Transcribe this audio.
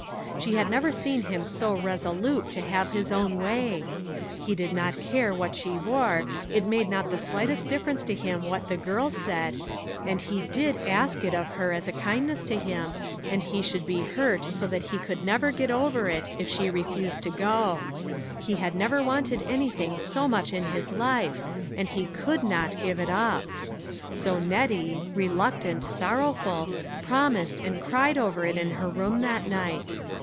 She had never seen him so reso lute to have his own way. He did not care what she wore, it made not the slightest differ ence to him what the girls said, and he did ask it of her as a kindness to him, and he should be 412 LITTLE FISHEES .* AND THEIR NETS. hurt so that he could never get over it if she re fused to go ; he had never wanted anything so much in his life, and he could not give it up. So Nettie, reluctant, sorrowful, promised, and cried over it^in her room that night.